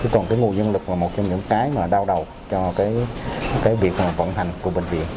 còn cái nguồn nhân lực là một trong những cái mà đau đầu cho cái việc vận hành của bệnh viện